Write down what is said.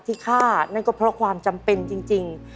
ที่ฆ่านั่นก็เพราะความจำเป็นจริง